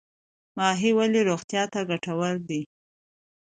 ماهي ولې روغتیا ته ګټور دی؟